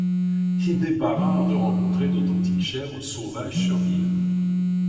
Il n'est pas rare de rencontrer d'authentiques chèvres sauvages sur l'île.